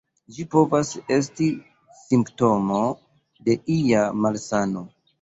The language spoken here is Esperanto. Ĝi povas esti simptomo de ia malsano.